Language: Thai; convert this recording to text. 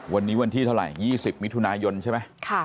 วันนี้วันที่เท่าไรยี่สิบมิถุนายนใช่ไหมค่ะ